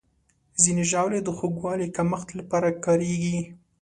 ځینې ژاولې د خوږوالي کمښت لپاره کارېږي.